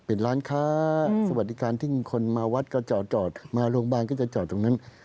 เป็นร้านค้าสวัสดิการที่คนมาวัดก็จอดมาโรงพยาบาลก็จะจอดตรงนั้น